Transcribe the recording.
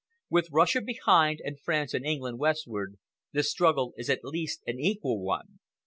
With Russia behind and France and England westward, the struggle is at least an equal one.